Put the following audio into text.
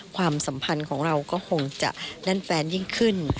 ความสัมพันธ์ของเราก็คงจะแน่นแฟนยิ่งขึ้น